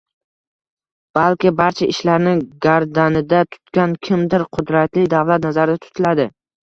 balki barcha ishlarni gardanida tutgan «kimdir» – qudratli davlat nazarda tutiladi.